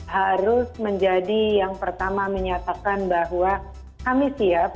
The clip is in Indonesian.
harus menjadi yang pertama menyatakan bahwa kami siap